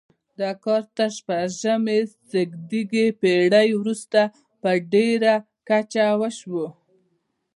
دا کار تر شپږمې زېږدیزې پیړۍ وروسته په ډیره کچه وشو.